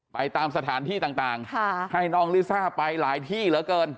ไปตามสถานที่ต่างให้น้องลิซ่าไปหลายที่เหลือเกิน